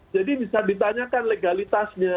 jadi bisa ditanyakan legalitasnya